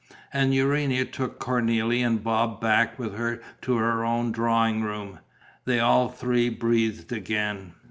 And Urania took Cornélie and Bob back with her to her own drawing room. They all three breathed again.